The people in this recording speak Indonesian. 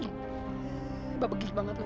hei babagiri banget lu